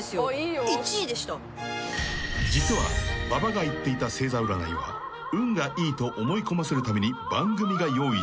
［実は馬場が言っていた星座占いは運がいいと思い込ませるために番組が用意した偽物］